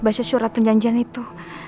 baca surat perjanjian itu